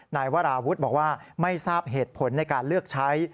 นายวราวุฒิบอกว่าไม่ทราบเหตุผลในการเลือกใช้